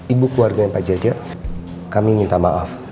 ibu keluarga yang pak jaja kami minta maaf